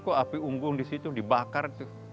kok api unggung disitu dibakar itu